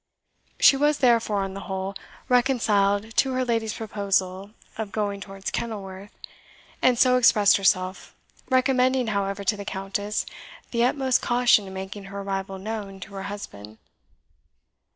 She was, therefore, on the whole, reconciled to her lady's proposal of going towards Kenilworth, and so expressed herself; recommending, however, to the Countess the utmost caution in making her arrival known to her husband.